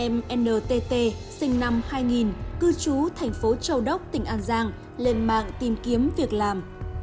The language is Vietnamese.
em ntt sinh năm hai nghìn cư trú thành phố châu đốc tỉnh an giang lên mạng tìm kiếm việc làm